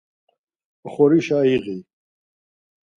Oxorişe iği.